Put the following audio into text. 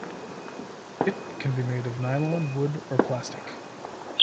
It can be made of nylon, wood, or plastic.